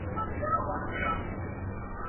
浙江宁波人。